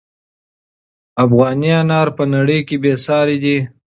افغاني انار په نړۍ کې بې ساري دي.